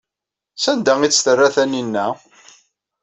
Sanda ay tt-terra Taninna?